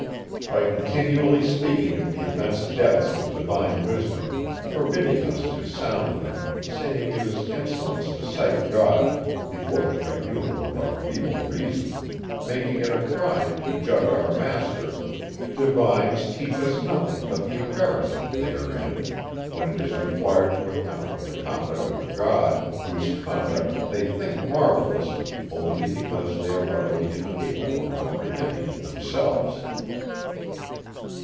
By continually speaking of the immense depths of divine wisdom, forbidding us to sound them, saying it is insolence to cite God before the tribunal of our feeble reason, making it a crime to judge our master, divines teach us nothing but the embarrassment they are in, when it is required to account for the conduct of a God, whose conduct they think marvellous only because they are utterly incapable of comprehending it themselves.